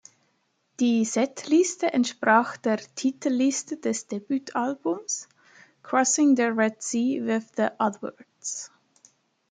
Die Setliste entsprach der Titelliste des Debütalbums Crossing the Red Sea with The Adverts.